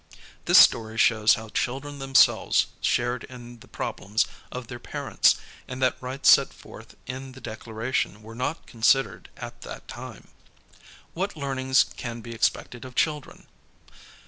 This story shows how children themselves shared in the problems of their parents, and that rights set forth in the Declaration were not considered at that time. What Learnings Can Be Expected of Children?